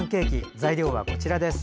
材料はこちらです。